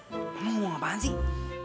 mama mama mau ngapain sih